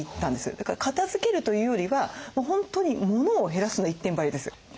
だから片づけるというよりは本当にモノを減らすの一点張りです。